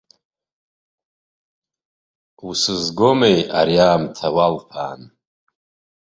Усызгомеи ари аамҭа уалԥаан.